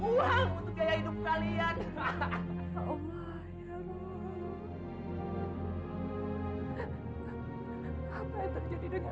uang uang aku masih kaya pinta novel kalian nggak perlu takut